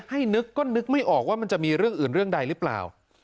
นึกก็นึกไม่ออกว่ามันจะมีเรื่องอื่นเรื่องใดหรือเปล่า